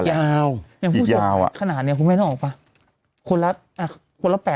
อย่างผู้สดขนาดนี้คุณไม่ได้ต้องเอาออกป่ะ